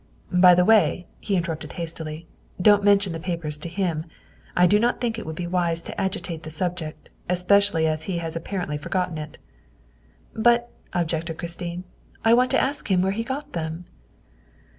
" By the way," he interrupted hastily, " don't men tion the papers to him. I do not think it would be wise to agitate the subject, especially as he has apparently forgotten it." " But," objected Christine, " I want to ask him where he got them."